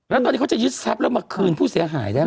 และตอนนี้เขายึดทรัพย์แล้วอย่างมะคืนผู้เสียหายได้มั้ย